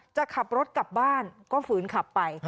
จะขับรถกลับบ้านก็ฝืนขับไป